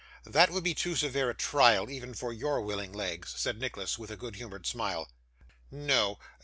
'That would be too severe a trial, even for your willing legs,' said Nicholas, with a good humoured smile. 'No.